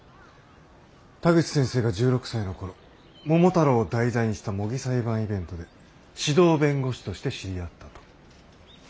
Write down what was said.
田口先生が１６歳の頃「桃太郎」を題材にした模擬裁判イベントで指導弁護士として知り合ったと。